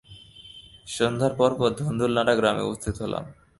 সন্ধ্যার পরপর ধুন্দুল নাড়া গ্রামে উপস্থিত হলাম।